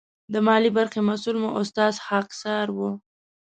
د مالي برخې مسؤل مو استاد خاکسار و.